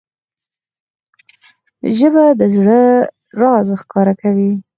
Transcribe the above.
ژبه د زړه راز ښکاره کوي